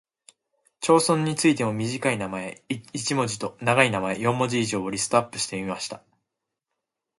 町村についても短い名前（一文字）と長い名前（四文字以上）をリストアップしてみました。